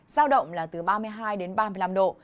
giao động là từ ba mươi hai đến ba mươi năm độ